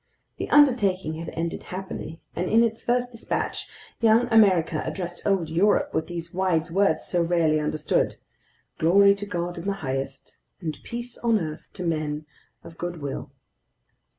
The undertaking had ended happily, and in its first dispatch, young America addressed old Europe with these wise words so rarely understood: "Glory to God in the highest, and peace on earth to men of good will."